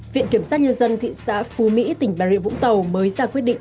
viện kiểm sát nhân dân thị xã phú mỹ tỉnh bà rịa vũng tàu mới ra quyết định